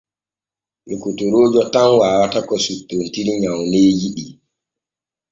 Lokotoroojo tan waawata ko suttontiri nyawneeji ɗi.